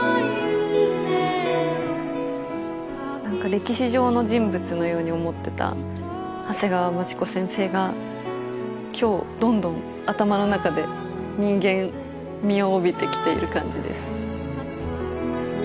歴史上の人物のように思ってた長谷川町子先生が今日どんどん頭の中で人間味を帯びてきている感じです。